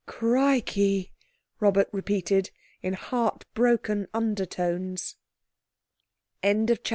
"Crikey!" Robert repeated in heart broken undertones. CHAPTER VII.